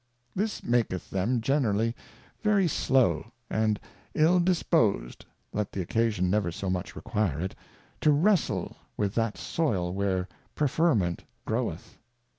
This maketh them generally very slow, and ill disposed (let the Occasion never so much require it) to wrestle with that Soil where Preferment groweth.